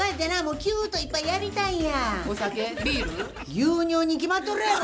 牛乳に決まっとるやろ！